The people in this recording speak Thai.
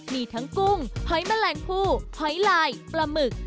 มีทั้งกุ้งหอยแมลงผู้หอยลายปลาหมึก